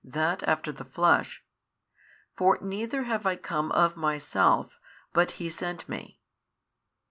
that after the Flesh, for neither have I come of Myself but He sent Me.